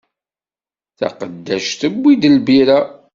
Taqeddact tewwi-d lbira.